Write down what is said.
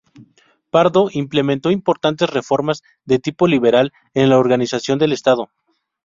Pardo implementó importantes reformas de tipo liberal en la organización del estado.